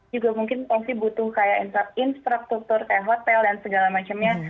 juga mungkin pasti butuh kayak infrastruktur kayak hotel dan segala macamnya